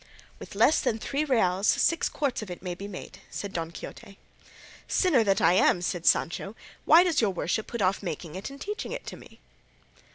"With less than three reals, six quarts of it may be made," said Don Quixote. "Sinner that I am!" said Sancho, "then why does your worship put off making it and teaching it to me?"